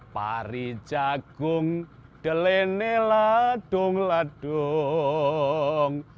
pari jagung delene ladung ledung